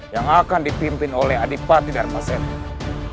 yang akan dipimpin oleh adipati darmasena